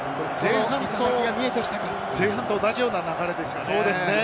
前半と同じような流れですよね。